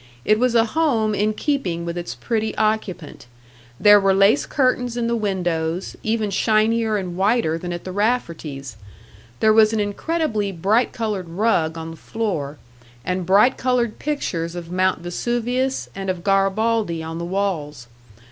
It was a tome in keeping with its pretty occupant. There were lace curtains in the windows, even shinier and whiter than at the Rafferties; there was an incredibly bright coloured rug on the floor, and bright coloured pictures of Mount Vesuvius and of Garibaldi on the walls.